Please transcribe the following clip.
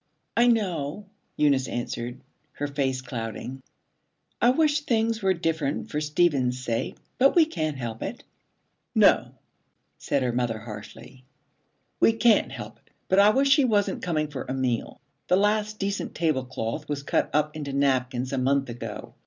'I know,' Eunice answered, her face clouding. 'I wish things were different for Stephen's sake. But we can't help it.' 'No,' said her mother harshly, 'we can't help it. But I wish she wasn't coming for a meal. The last decent tablecloth was cut up into napkins a month ago.